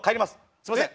すいません。